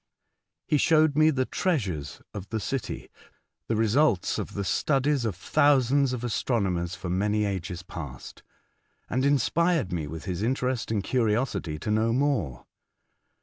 He showed me the treasures of the city — the results of the studies of thousands of astro nomers for many ages past, and inspired me with his interest and curiosity to know more.